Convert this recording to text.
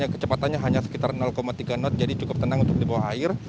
kecepatannya hanya sekitar tiga knot jadi cukup tenang untuk di bawah air